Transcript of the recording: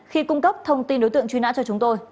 khi cung cấp thông tin đối tượng truy nã cho chúng tôi